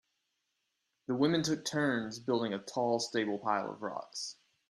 The women took turns building a tall stable pile of rocks.